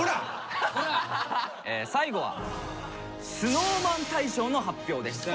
最後はＳｎｏｗＭａｎ大賞の発表です。